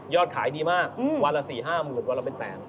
ยอดขายดีมากวันละสี่ห้าหมื่นวันละเป็นแปน